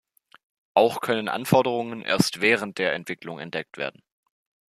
Auch können Anforderungen erst während der Entwicklung entdeckt werden.